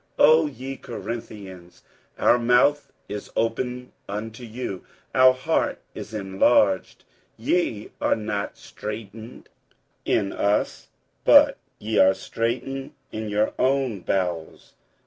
47:006:011 O ye Corinthians, our mouth is open unto you, our heart is enlarged. 47:006:012 Ye are not straitened in us, but ye are straitened in your own bowels.